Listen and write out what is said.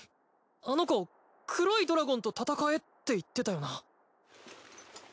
あの子黒いドラゴンと戦えって言ってたよな。